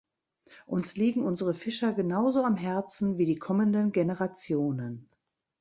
Uns liegen unsere Fischer genauso am Herzen wie die kommenden Generationen.